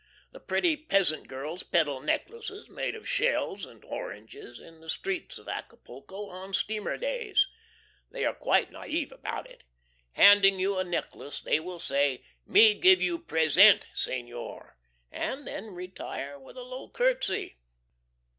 The pretty peasant girls peddle necklaces made of shells and oranges, in the streets of Acapulco, on steamer days. They are quite naive about it. Handing you a necklace they will say, "Me give you pres ENT, Senor," and then retire with a low curtsey.